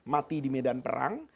mati di medan perang